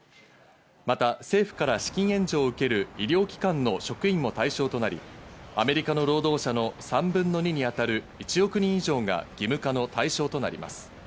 また政府から資金援助を受ける医療機関の職員も対象となり、アメリカの労働者の３分の２に当たる１億人以上が義務化の対象となります。